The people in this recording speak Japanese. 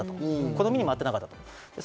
好みにも合ってなかったと。